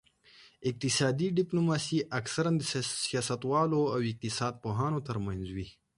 اقتصادي ډیپلوماسي اکثراً د سیاستوالو او اقتصاد پوهانو ترمنځ وي